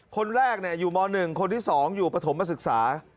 คนแรกอยู่ม๑คนที่๒อยู่ปฐมศึกษา